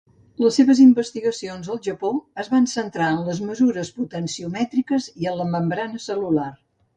Les seves investigacions al Japó es van centrar en les mesures potenciomètriques i en la membrana cel·lular.